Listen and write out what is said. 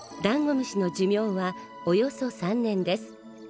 ダンゴムシの寿命はおよそ３年です。